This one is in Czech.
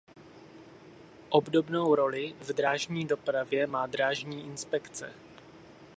Obdobnou roli v drážní dopravě má Drážní inspekce.